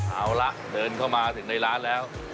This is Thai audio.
เอาละเดินเข้ามาถึงในร้านแล้ว